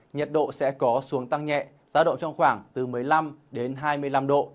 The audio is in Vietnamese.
nhiệt độ sẽ có xuống tăng nhẹ giá độ trong khoảng từ một mươi năm đến hai mươi năm độ